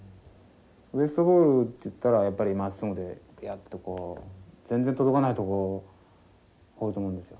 ウエストボールっていったらやっぱりまっすぐでビャッとこう全然届かないところ放ると思うんですよ。